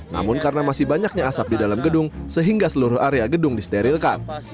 namun karena masih banyaknya asap di dalam gedung sehingga seluruh area gedung disterilkan